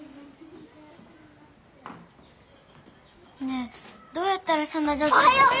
ねえどうやったらそんなじょうずに。